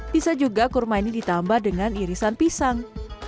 bisa juga kurma ini ditambah dengan irisan pisang